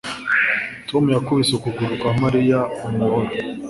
Toti yakubise ukuguru kwa Mariya umuhoro